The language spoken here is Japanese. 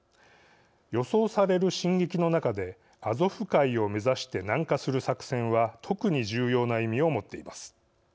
予想される進撃の中でアゾフ海を目指して南下する作戦は特に重要な意味を持っています。